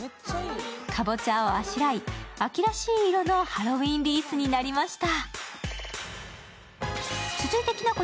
かぼちゃをあしらい秋らしい色のハロウィーンリースになりました。